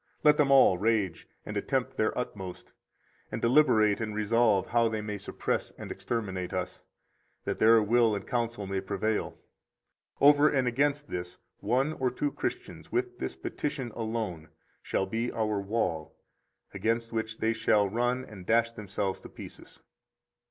Let them all rage and attempt their utmost, and deliberate and resolve how they may suppress and exterminate us, that their will and counsel may prevail: over and against this one or two Christians with this petition alone shall be our wall against which they shall run and dash themselves to pieces.